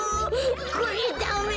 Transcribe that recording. これダメだ。